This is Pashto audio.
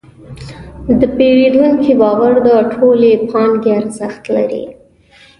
د پیرودونکي باور د ټولې پانګې ارزښت لري.